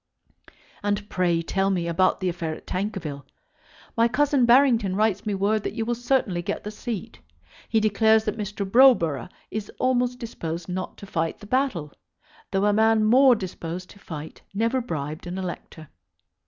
And pray tell me about the affair at Tankerville. My cousin Barrington writes me word that you will certainly get the seat. He declares that Mr. Browborough is almost disposed not to fight the battle, though a man more disposed to fight never bribed an elector.